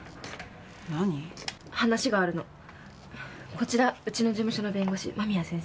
こちらウチの事務所の弁護士間宮先生。